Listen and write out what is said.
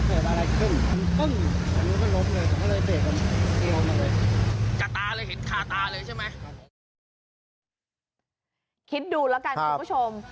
คิดดูแล้วกันคุณผู้ชม